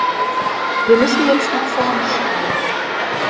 Wir müssen jetzt nach vorne schauen.